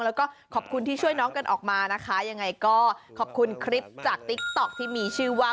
แล้วก็ขอบคุณที่ช่วยน้องกันออกมานะคะยังไงก็ขอบคุณคลิปจากติ๊กต๊อกที่มีชื่อว่า